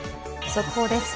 速報です。